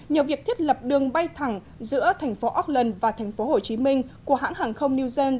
nhờ việc thiết lập đường bay thẳng giữa thành phố auckland và thành phố hồ chí minh của hãng hàng không new zealand